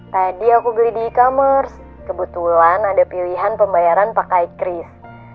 tadi aku beli di e commerce kebetulan ada pilihan pembayaran pakai cris